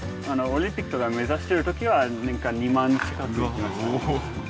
オリンピックを目指してる時は年間２万近く乗ってました。